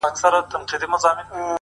ما مي خوبونه تر فالبینه پوري نه دي وړي-